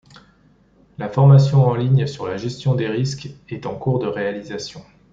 La formation en ligne sur la gestion des risques est en cours de réalisation.